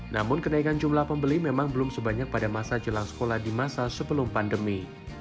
namun kenaikan jumlah pembeli memang belum sebanyak pada masa jelang sekolah di masa sebelum pandemi